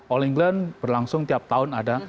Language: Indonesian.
all england berlangsung tiap tahun ada